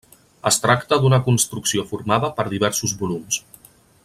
Es tracta d'una construcció formada per diversos volums.